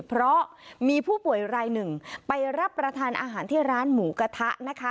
เพราะมีผู้ป่วยรายหนึ่งไปรับประทานอาหารที่ร้านหมูกระทะนะคะ